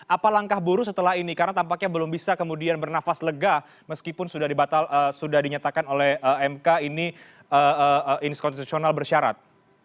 apa langkah buruh setelah ini karena tampaknya belum bisa kemudian bernafas lega meskipun sudah dinyatakan oleh mk ini inskonstitusional bersyarat